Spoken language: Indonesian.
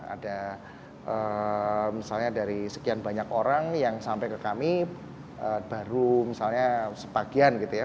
ada misalnya dari sekian banyak orang yang sampai ke kami baru misalnya sebagian gitu ya